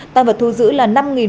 tăng vật thu giữ là năm bốn trăm linh